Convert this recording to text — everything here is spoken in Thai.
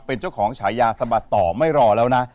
เป็นเจ้าของฉายาสะบัดต่อไม่รอแล้วนะ